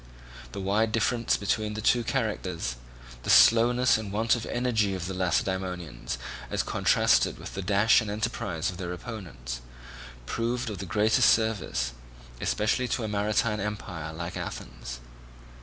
The wide difference between the two characters, the slowness and want of energy of the Lacedaemonians as contrasted with the dash and enterprise of their opponents, proved of the greatest service, especially to a maritime empire like Athens.